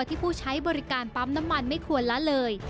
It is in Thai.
ผู้ใช้บริการปั๊มน้ำมันไม่ควรละเลย